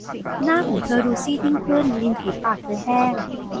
หน้าของเธอดูซีดยิ่งขึ้น ริมฝีปากเธอแห้ง